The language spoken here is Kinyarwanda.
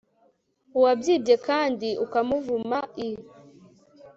uwabyibye kandi ukamuvuma i